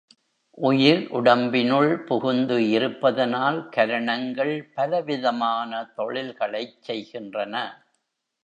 உயிர் உடம்பினுள் புகுந்து இருப்பதனால் கரணங்கள் பல விதமான தொழில்களைச் செய்கின்றன.